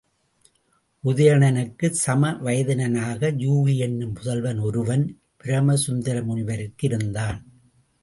உதயணனுக்குச் சம வயதினனாக, யூகி என்னும் புதல்வன் ஒருவன் பிரமசுந்தர முனிவருக்கு இருந்தான்.